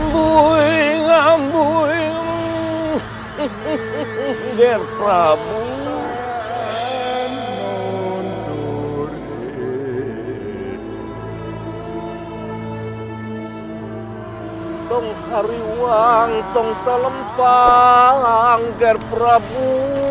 tung hari uang tung salem pang ger prabu